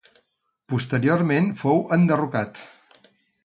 Posteriorment fou enderrocat.